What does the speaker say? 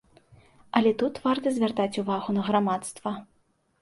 Але тут варта звяртаць увагу на грамадства.